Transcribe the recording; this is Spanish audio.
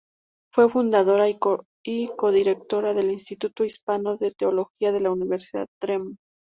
Fue fundadora y codirectora del Instituto Hispano de Teología de la Universidad Drew.